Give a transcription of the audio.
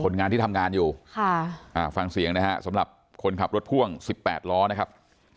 งานที่ทำงานอยู่ฟังเสียงนะฮะสำหรับคนขับรถพ่วง๑๘ล้อนะครับ